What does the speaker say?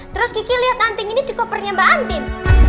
terus kiki liat anting ini di kopernya mbak andin